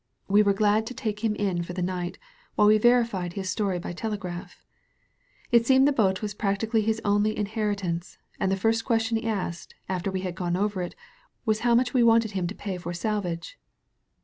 We were glad to take him in for the night, while we verified his story by telegraph. It seemed the boat was practically his only inheri tance, and the first question he asked, after we had gone over it, was how much we wanted him to pay for salvage.